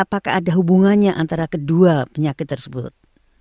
apakah ada hubungannya antara kedua penyakit tersebut